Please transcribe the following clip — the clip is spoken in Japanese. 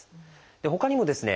ほかにもですね